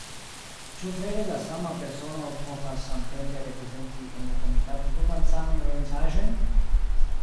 Ĉu vere la sama persono povas samtempe reprezenti en la komitato du malsamajn organizaĵojn?